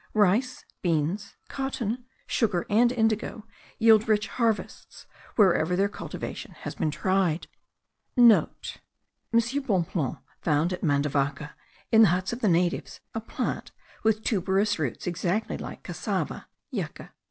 Rice, beans, cotton, sugar, and indigo yield rich harvests, wherever their cultivation has been tried.* (* M. Bonpland found at Mandavaca, in the huts of the natives, a plant with tuberous roots, exactly like cassava (yucca).